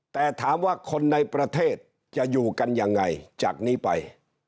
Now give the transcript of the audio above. แต่ถามว่าคนในประเทศจะอยู่กันยังไงจากนี้ไป